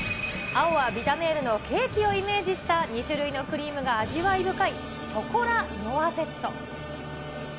青はヴィタメールのケーキをイメージした２種類のクリームが味わい深いショコラノワゼット。